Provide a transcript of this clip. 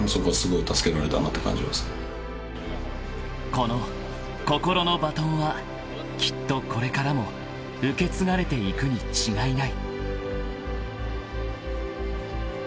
［この心のバトンはきっとこれからも受け継がれていくに違いない］